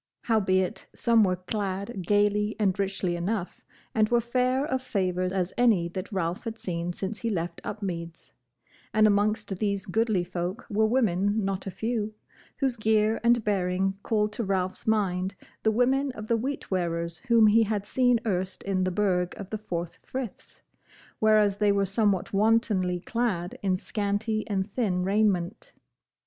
Howbeit some were clad gaily and richly enough, and were fair of favour as any that Ralph had seen since he left Upmeads: and amongst these goodly folk were women not a few, whose gear and bearing called to Ralph's mind the women of the Wheatwearers whom he had seen erst in the Burg of the Four Friths, whereas they were somewhat wantonly clad in scanty and thin raiment.